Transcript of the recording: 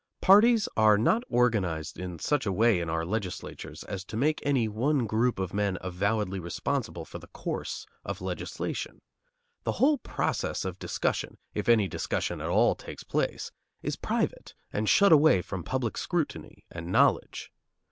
Parties are not organized in such a way in our legislatures as to make any one group of men avowedly responsible for the course of legislation. The whole process of discussion, if any discussion at all takes place, is private and shut away from public scrutiny and knowledge.